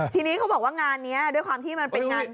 ทีนี้เขาบอกว่างานนี้ด้วยความที่มันเป็นงาน